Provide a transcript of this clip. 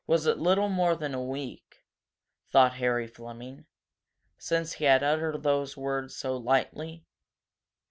Was it little more than a week, thought Harry Fleming, since he had uttered those words so lightly?